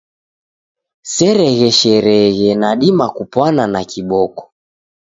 Seregheshereghe nadima kupwana na kiboko.